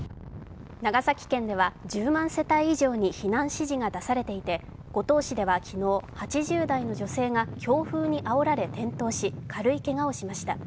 長崎県では１０万世帯以上に避難指示が出されていて五島市では昨日、８０代の女性が強風にあおられ転倒し軽いけがをしました。